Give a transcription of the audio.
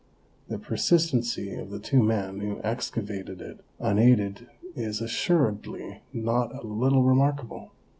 The persistency of the two men who excavated it unaided is assuredly not a little remark able.